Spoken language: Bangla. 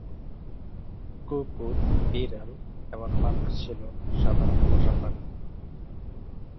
কুকুর, বিড়াল এবং বানর ছিল সাধারণ পোষা প্রাণী।